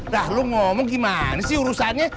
dah lo ngomong gimana sih urusannya